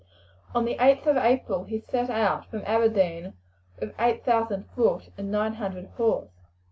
On the 8th of April he set out from Aberdeen with eight thousand foot and nine hundred horse.